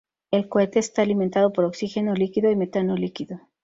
El cohete estaba alimentado por oxígeno líquido y metano líquido.